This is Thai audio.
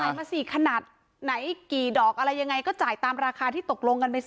มาสิขนาดไหนกี่ดอกอะไรยังไงก็จ่ายตามราคาที่ตกลงกันไปสิ